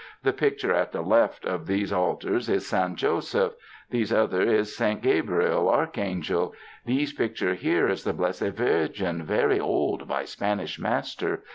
The picture at the left of these altar is Saint Joseph, these other is Saint Gabriel Archangel ; these picture here is the Blessed Virgin, very old by Spanish master.